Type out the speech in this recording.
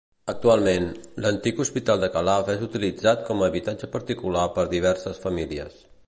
Actualment, l'antic hospital de Calaf és utilitzat com a habitatge particular per diverses famílies.